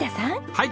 はい。